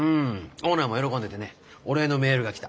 オーナーも喜んでてねお礼のメールが来た。